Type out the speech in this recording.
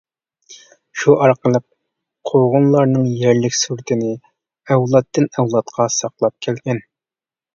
شۇ ئارقىلىق قوغۇنلارنىڭ يەرلىك سورتىنى ئەۋلادتىن-ئەۋلادقا ساقلاپ كەلگەن.